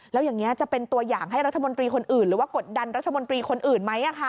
แล้วอย่างนี้จะเป็นตัวอย่างให้รัฐมนตรีคนอื่นหรือว่ากดดันรัฐมนตรีคนอื่นไหม